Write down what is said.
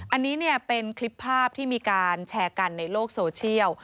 อันนี้เป็นคลิปภาพที่มีการแชร์กันในโลกโซเชียล